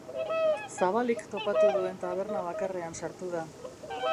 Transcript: Zabalik topatu duen taberna bakarrean sartu da.